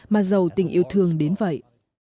mà giàu tình yêu thương đến vậy